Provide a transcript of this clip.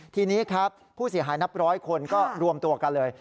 ทีนี้ครับผู้เสียหายนับร้อยคนก็รวมตัวกันเลย